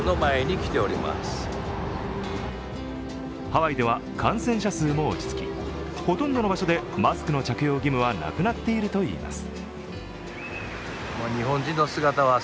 ハワイでは感染者数も落ち着きほとんどの場所でマスクの着用義務はなくなっているといいます。